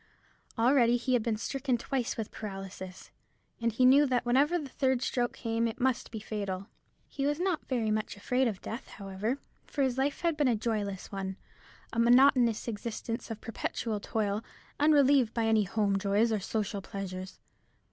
Already he had been stricken twice with paralysis, and he knew that whenever the third stroke came it must be fatal. He was not very much afraid of death, however; for his life had been a joyless one, a monotonous existence of perpetual toil, unrelieved by any home joys or social pleasures.